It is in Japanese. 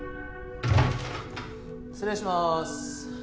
失礼します。